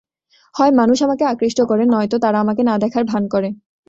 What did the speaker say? হয় মানুষ আমাকে আকৃষ্ট করে, নয়তো তারা আমাকে না দেখার ভান করে।